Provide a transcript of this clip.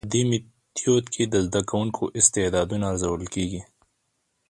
په دي ميتود کي د زده کوونکو استعدادونه ارزول کيږي.